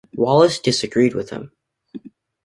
Wallace disagreed with him.